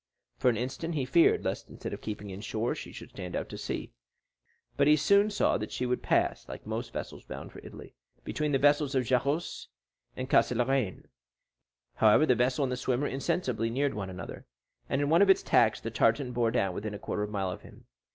For an instant he feared lest, instead of keeping in shore, she should stand out to sea; but he soon saw that she would pass, like most vessels bound for Italy, between the islands of Jaros and Calaseraigne. However, the vessel and the swimmer insensibly neared one another, and in one of its tacks the tartan bore down within a quarter of a mile of him.